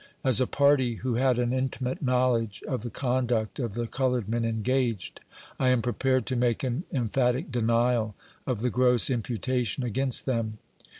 As a party who had an intimate knowledge of the conduct of the colored men engaged, I am prepared to make an emphatic denial of the gross imputation against them.